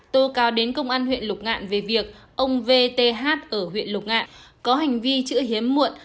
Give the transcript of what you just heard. tô cao đến công an huyện lục ngạn về việc ông vth ở huyện lục ngạ có hành vi chữ hiếm muộn